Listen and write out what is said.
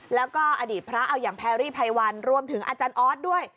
แล้วก็อดีตพระเอาอย่างแพรรี่ไพวันรวมถึงอาจารย์ออสด้วย